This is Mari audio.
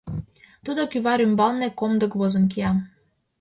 Тудо кӱвар ӱмбалне комдык возын кия.